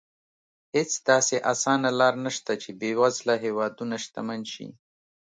هېڅ داسې اسانه لار نه شته چې بېوزله هېوادونه شتمن شي.